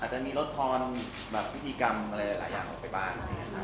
จะมีลดทอนแบบพิธีกรรมอะไรหลายอย่างออกไปบ้าง